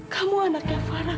kamilah regina putri